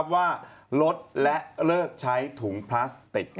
ว่าลดและเลิกใช้ถุงพลาสติก